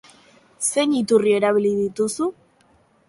Zein iturri erabili dituzu?